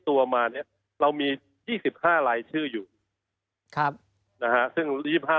ตัวมาเนี้ยเรามียี่สิบห้าลายชื่ออยู่ครับนะฮะซึ่งยี่สิบห้า